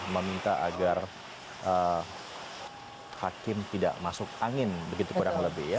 meminta agar hakim tidak masuk angin begitu kurang lebih ya